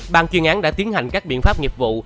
bàn chuyên án đã tiến hành các biện pháp nghiệp vụ